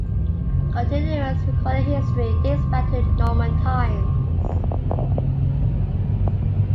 Continuous recorded history dates back to Norman times.